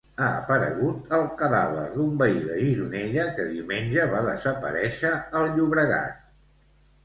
Ha aparegut el cadàver d'un veí de Gironella que diumenge va desaparèixer al Llobregat.